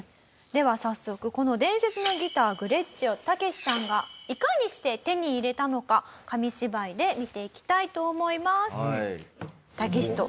では早速この伝説のギターグレッチをタケシさんがいかにして手に入れたのか紙芝居で見ていきたいと思います。